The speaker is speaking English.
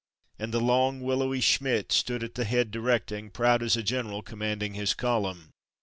And the long, willowy Schmidt stood at the head directing, proud as a general commanding his column.